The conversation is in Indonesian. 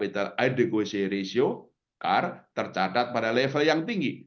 tercatat pada level yang tinggi